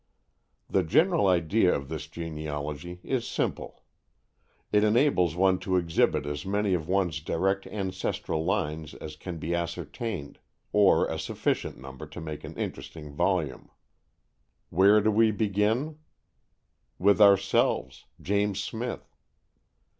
The general idea of this genealogy is simple. It enables one to exhibit as many of one's direct ancestral lines as can be ascertained, or a sufficient number to make an interesting volume. Where do we begin? With ourselves, James Smith!